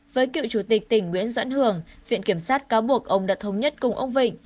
với cựu chủ tịch tỉnh nguyễn doãn hưởng viện kiểm sát cáo buộc ông đã thống nhất cùng ông vịnh